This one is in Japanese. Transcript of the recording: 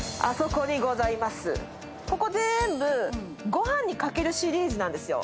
ここ全部ごはんにかけるシリーズなんですよ。